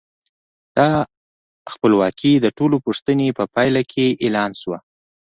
دا خپلواکي د ټول پوښتنې په پایله کې اعلان شوه.